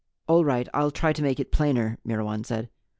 "All right, I'll try to make it plainer," Myrwan said.